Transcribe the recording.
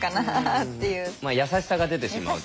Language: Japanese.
優しさが出てしまうと。